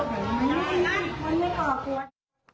มันไม่รอบควร